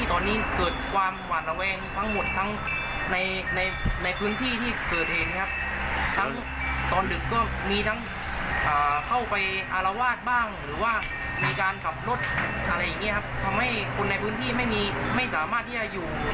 ทำให้คนในพื้นที่ไม่สามารถที่จะอยู่